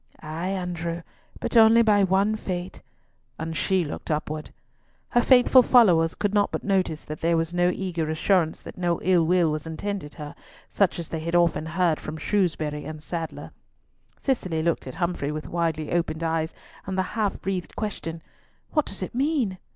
"Ay, Andrew, but only by one fate;" and she looked upwards. Her faithful followers could not but notice that there was no eager assurance that no ill was intended her, such as they had often heard from Shrewsbury and Sadler. Cicely looked at Humfrey with widely opened eyes, and the half breathed question, "What does it mean?"